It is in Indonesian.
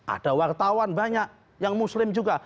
ada wartawan banyak yang muslim juga